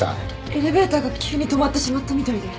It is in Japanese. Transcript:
エレベーターが急に止まってしまったみたいで。